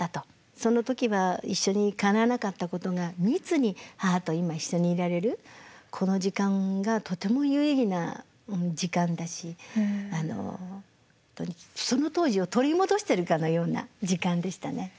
その時は一緒にかなわなかったことが密に母と今一緒にいられるこの時間がとても有意義な時間だし本当にその当時を取り戻してるかのような時間でしたね。